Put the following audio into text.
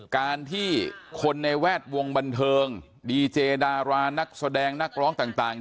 การที่คนในแวดวงบันเทิงดีเจดารานักแสดงนักร้องต่าง